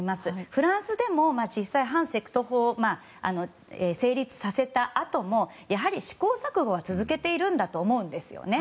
フランスでも実際、反セクト法を成立させたあともやはり、試行錯誤は続けていると思うんですよね。